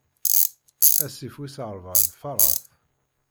Asif wis ṛebɛa d Faṛat.